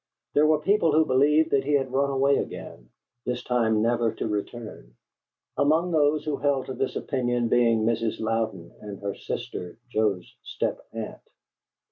There were people who believed that he had run away again, this time never to return; among those who held to this opinion being Mrs. Louden and her sister, Joe's step aunt.